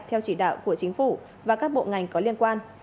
theo chỉ đạo của chính phủ và các bộ ngành có liên quan